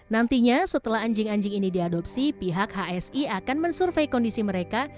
nantinya setelah anjing anjing ini diadopsi pihak mereka akan menemukan mereka